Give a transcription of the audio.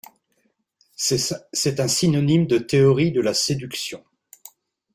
C'est un synonyme de théorie de la séduction.